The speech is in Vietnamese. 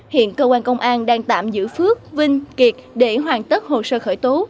hiện cơ quan công an đang tạm giữ phước vinh kiệt để hoàn tất hồ sơ khởi tố